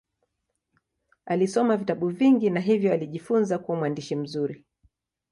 Alisoma vitabu vingi na hivyo alijifunza kuwa mwandishi mzuri.